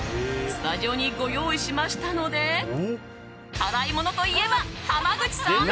スタジオにご用意しましたので辛いものといえば濱口さん！